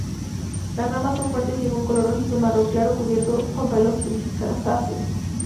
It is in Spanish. Las ramas son fuertes y de un color rojizo-marrón claro, cubierto con pelos grisáceo.